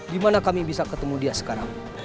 dimana kami bisa ketemu dia sekarang